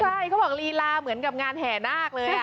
ใช่เขาบอกลีลาเหมือนกับงานแห่นาคเลย